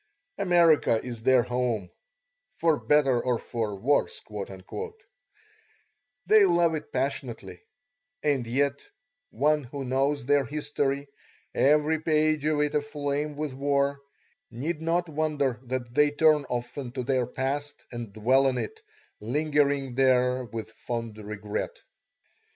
America is their home, "for better or for worse"; they love it passionately; and yet one who knows their history, every page of it aflame with war, need not wonder that they turn often to their past and dwell on it, lingering there with fond regret.